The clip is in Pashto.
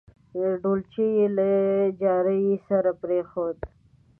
ډولچي یې له جاري ډول سره پرېښوده.